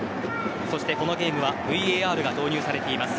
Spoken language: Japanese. このゲームはＶＡＲが導入されています。